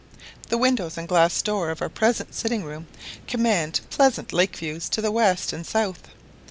The windows and glass door of our present sitting room command pleasant lake views to the west and south.